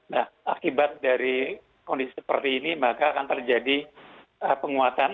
nah akibat dari kondisi seperti ini maka akan terjadi penguatan